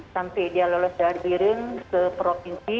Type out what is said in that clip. sampai dia lulus dari biren ke provinsi